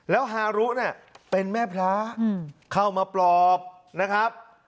แล้วฮารุเนี่ยเป็นแม่พระเข้ามาปลอบนะครับ